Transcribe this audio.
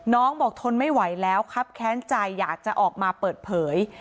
น้องบอกทนไม่ไหวแล้วครับแค้นใจอยากจะออกมาเปิดเผย